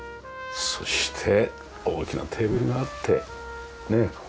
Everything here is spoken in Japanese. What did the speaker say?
そして大きなテーブルがあってねっ